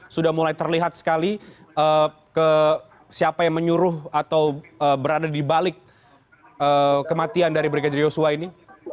sudah mulai terlihat sekali siapa yang menyuruh atau berada di balik kematian dari brigadir yosua ini